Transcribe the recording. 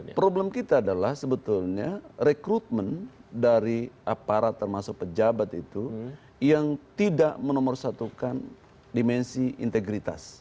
problem kita adalah sebetulnya rekrutmen dari aparat termasuk pejabat itu yang tidak menomorsatukan dimensi integritas